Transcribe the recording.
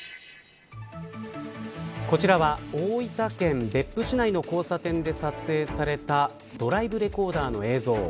こちらは大分県別府市内の交差点で撮影されたドライブレコーダーの映像。